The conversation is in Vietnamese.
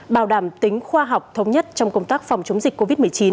bảo đảm tính khoa học thống nhất trong công tác phòng chống dịch covid một mươi chín